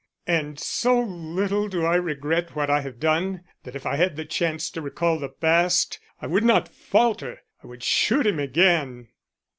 "And so little do I regret what I have done, that if I had the chance to recall the past I would not falter I would shoot him again."